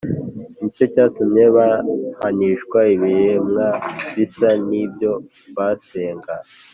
Ni cyo cyatumye bahanishwa ibiremwa bisa n’ibyo basenga,